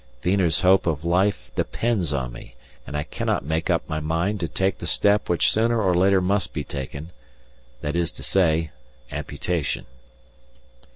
Wiener's hope of life depends on me, and I cannot make up my mind to take the step which sooner or later must be taken that is to say, amputation.